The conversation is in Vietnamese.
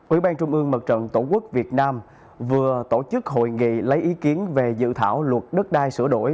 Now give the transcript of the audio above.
ủy ban trung ương mặt trận tổ quốc việt nam vừa tổ chức hội nghị lấy ý kiến về dự thảo luật đất đai sửa đổi